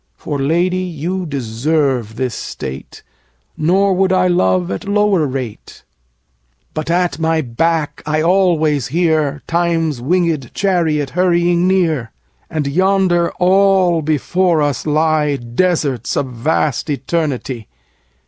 For, Lady, you deserve this state, Nor would I love at lower rate. 20 But at my back I always hear Time's wingèd chariot hurrying near; And yonder all before us lie Deserts of vast eternity.